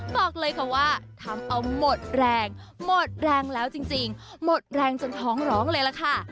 บอกเลยค่ะว่าทำเอาหมดแรงหมดแรงแล้วจริงหมดแรงจนท้องร้องเลยล่ะค่ะ